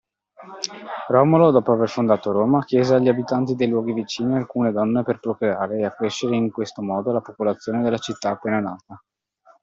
Romolo, dopo aver fondato Roma, chiese agli abitanti dei luoghi vicini alcune donne per procreare e accrescere in questo modo la popolazione della città appena nata.